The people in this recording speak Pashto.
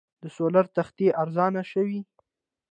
د سولر تختې ارزانه شوي؟